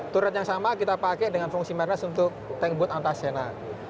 turret yang sama kita pakai dengan fungsi manas untuk tank buat antasena